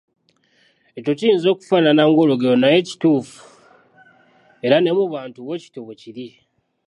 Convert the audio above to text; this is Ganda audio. Ekyo kiyinza okufaanana ng’olugero, naye kituufu era ne mu bantu bwe kityo bwe kiri.